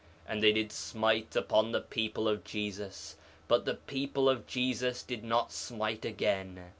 And they did smite upon the people of Jesus; but the people of Jesus did not smite again.